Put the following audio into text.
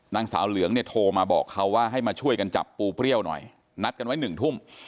นางสาวเหลืองเนี่ยโทรมาบอกเขาว่าให้มาช่วยกันจับปูเปรี้ยวหน่อยนัดกันไว้หนึ่งทุ่ม